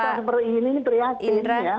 tapi saya seperti ini priatin ya